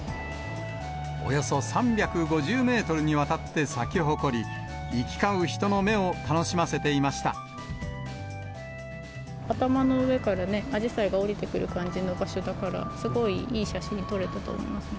およそ３５０メートルにわたって咲き誇り、行き交う人の目を楽し頭の上からね、あじさいが降りてくる感じの場所だから、すごいいい写真撮れたと思いますね。